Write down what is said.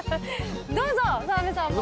どうぞ澤部さんも。